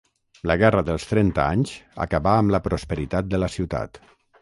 La Guerra dels Trenta Anys acabà amb la prosperitat de la ciutat.